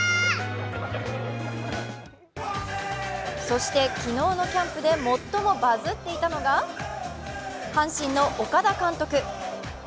そして昨日のキャンプで最もバズっていたのが阪神の岡田監督。